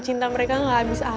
cinta mereka gak abis abis ya boy